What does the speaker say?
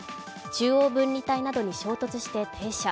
中央分離帯などに衝突して停車。